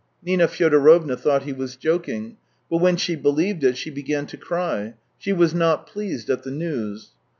Nina Fyodorovna thought he was joking, but when she believed it, she began to cry; she was not pleased at the news.